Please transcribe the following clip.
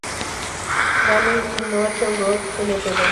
Gaming Innovation Group Ltd.